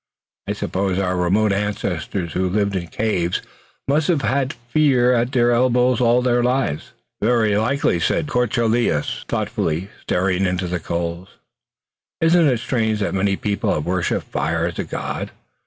I suppose our remote ancestors who lived in caves must have had fear at their elbows all their lives." "Very likely," said de Courcelles, thoughtfully, staring into the coals. "It isn't strange that many people have worshiped fire as God.